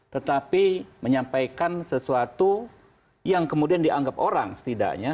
tetapi menyampaikan sesuatu yang kemudian dianggap orang setidaknya